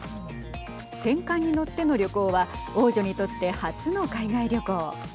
戦艦に乗っての旅行は王女にとって初の海外旅行。